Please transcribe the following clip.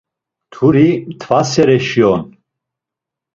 Mturi mtvasereşi on.